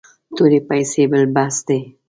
تورې پیسې بل بحث دی.